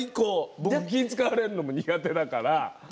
僕は気を遣われるのも苦手だから。